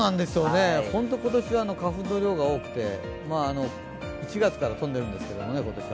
本当に今年は花粉の量が多くて、今年は１月から飛んでいるんですけどね。